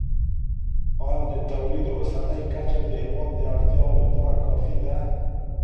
ایا د تولید اوسنۍ کچه د هیواد د اړتیاوو لپاره کافي ده؟